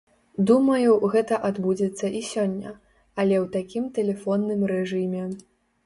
Думаю, гэта адбудзецца і сёння, але ў такім тэлефонным рэжыме.